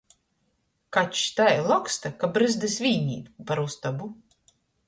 Kačs tai loksta, ka brazdys viņ īt par ustobu.